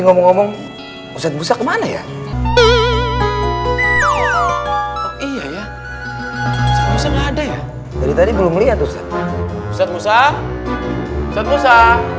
ngomong ngomong ustadz musa kemana ya iya ya ada ya dari tadi belum lihat ustadz musa musa